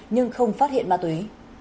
nhưng không phát hiện ma túy